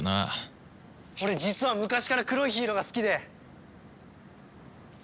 俺実は昔から黒いヒーローが好きで。